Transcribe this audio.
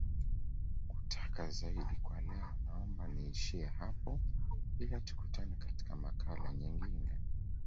kutaka zaidi kwa leo naomba niishie hapo ila tukutane katika makala nyingine